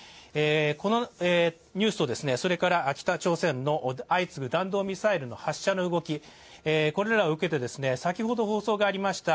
このニュースと、それから北朝鮮の相次ぐ弾道ミサイルの発射の動き、これらを受けて先ほど放送がありました